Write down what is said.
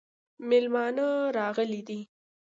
مېلمانه راغلي دي